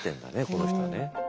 この人はね。ふう。